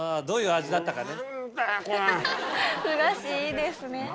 どういう味だったかね。